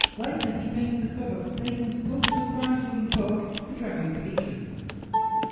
Later he painted the cover of Sagan's Pulitzer Prize-winning book "The Dragons of Eden".